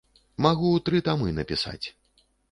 Магу тры тамы напісаць.